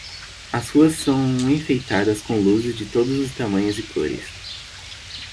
As ruas são enfeitadas com luzes de todos os tamanhos e cores.